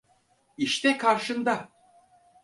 İşte karşında.